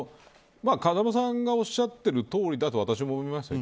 風間さんがおっしゃっているとおりだと私も思います。